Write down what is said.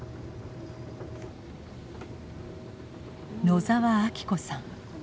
野澤明子さん